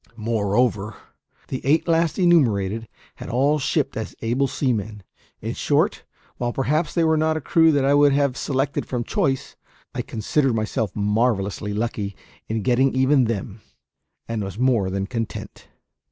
Moreover, the eight last enumerated had all shipped as able seamen. In short, while perhaps they were not a crew that I would have selected from choice, I considered myself marvellously lucky in getting even them, and was more than content.